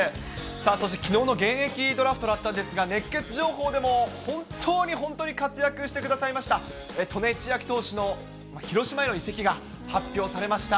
そしてきのうの現役ドラフトだったんですが、熱ケツ情報でも本当に本当に活躍してくださいました、戸根千明投手の広島への移籍が発表されました。